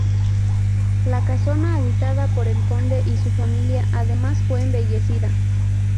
La casona habitada por el Conde y su familia, además fue embellecida.